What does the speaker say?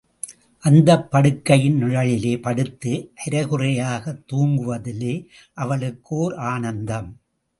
அந்தப் படுகையின் நிழலிலே படுத்து அறைகுறையாகத் தூங்குவதிலே அவளுக்கு ஓர் ஆனந்தம்.